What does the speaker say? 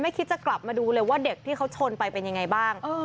คิดจะกลับมาดูเลยว่าเด็กที่เขาชนไปเป็นยังไงบ้าง